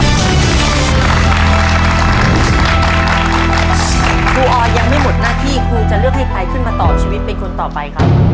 ครูออนยังไม่หมดหน้าที่คือจะเลือกให้ใครขึ้นมาต่อชีวิตเป็นคนต่อไปครับ